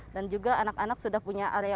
dan juga anak anak sudah punya area